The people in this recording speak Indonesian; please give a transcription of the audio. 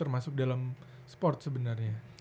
masuk dalam esport sebenarnya